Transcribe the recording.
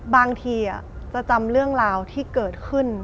บางทีจะจำเรื่องราวที่เกิดขึ้น